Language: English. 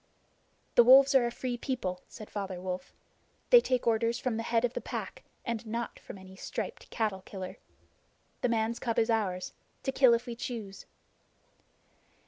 "The Wolves are a free people," said Father Wolf. "They take orders from the Head of the Pack, and not from any striped cattle killer. The man's cub is ours to kill if we choose."